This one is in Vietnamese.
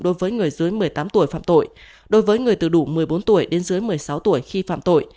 đối với người dưới một mươi tám tuổi phạm tội đối với người từ đủ một mươi bốn tuổi đến dưới một mươi sáu tuổi khi phạm tội